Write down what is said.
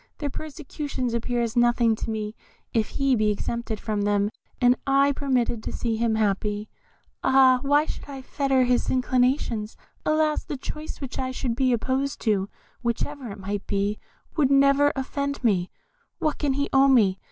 Their persecutions appear as nothing to me if he be exempted from them, and I permitted to see him happy. Ah! why should I fetter his inclinations? Alas! the choice which I should be opposed to, whatever it might be, would never offend me; what can he owe me?